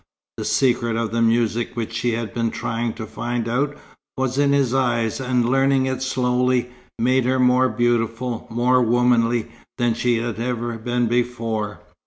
The secret of the music which she had been trying to find out, was in his eyes, and learning it slowly, made her more beautiful, more womanly, than she had ever been before.